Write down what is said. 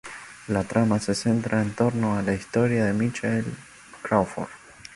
La trama se centra en torno a la historia de Michael Crawford.